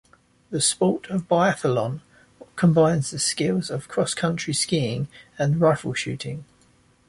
The sport of biathlon combines the skills of cross-country skiing and rifle shooting.